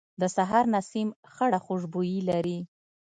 د سهار نسیم خړه خوشبويي لري